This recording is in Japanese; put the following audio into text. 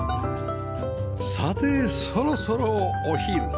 さてそろそろお昼